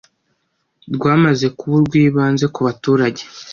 rwamaze kuba urw’ibanze ku baturage